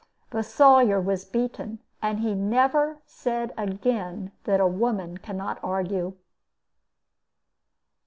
The Sawyer was beaten, and he never said again that a woman can not argue.